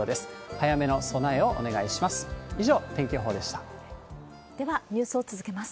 早めの備えをお願いします。